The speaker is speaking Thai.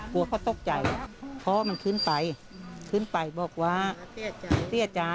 กลัวเขาตกใจพ่อมันขึ้นไปขึ้นไปบอกว่าเตี้ยใจพี่เตี้ยใจ